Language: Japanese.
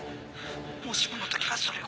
もしもの時はそれを。